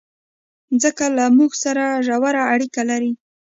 مځکه له موږ سره ژوره اړیکه لري.